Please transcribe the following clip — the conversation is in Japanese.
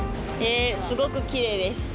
すごくきれいです。